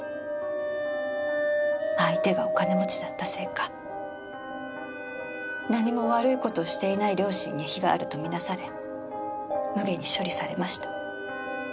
相手がお金持ちだったせいか何も悪い事していない両親に非があると見なされむげに処理されました。